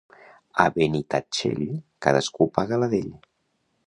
A Benitatxell, cadascú paga la d'ell.